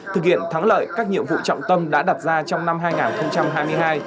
thực hiện thắng lợi các nhiệm vụ trọng tâm đã đặt ra trong năm hai nghìn hai mươi hai